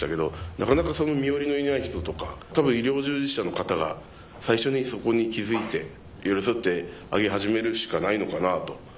なかなか身寄りのいない人とか多分医療従事者の方が最初にそこに気付いて寄り添ってあげ始めるしかないのかなと。